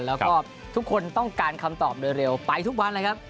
แล้วก็ทุกคนต้องการคำตอบโดยเร็วไปทุกวันเลยครับ